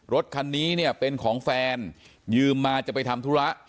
รถคันนี้เนี่ยเป็นของแฟนยืมมาจะไปทำธุระ